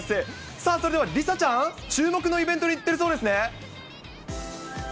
さあ、それでは梨紗ちゃん、注目のイベントに行ってるそうですね。